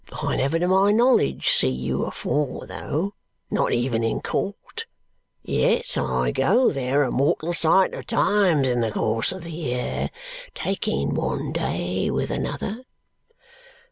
I never to my knowledge see you afore though, not even in court. Yet, I go there a mortal sight of times in the course of the year, taking one day with another."